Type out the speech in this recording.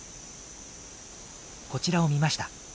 こちらを見ました。